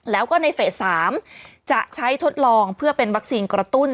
แล้วก็ในเฟส๓จะใช้ทดลองเพื่อเป็นวัคซีนกระตุ้น